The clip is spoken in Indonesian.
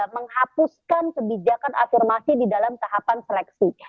menghapuskan kebijakan afirmasi di dalam tahapan seleksi